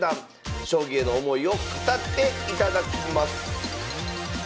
将棋への思いを語っていただきます